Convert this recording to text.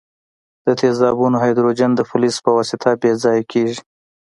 د تیزابونو هایدروجن د فلز په واسطه بې ځایه کیږي.